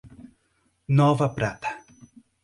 Nova Prata